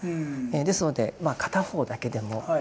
ですので片方だけでも。